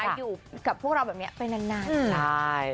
อยู่กับพวกเราแบบนี้ไปนานค่ะ